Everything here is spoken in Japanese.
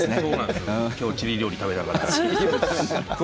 今日、チリ料理食べたから。